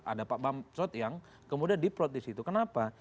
ada pak bamsot yang kemudian diprotes itu kenapa